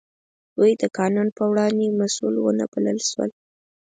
دوی د قانون په وړاندې مسوول ونه بلل شول.